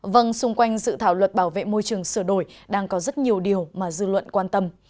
vâng xung quanh dự thảo luật bảo vệ môi trường sửa đổi đang có rất nhiều điều mà dư luận quan tâm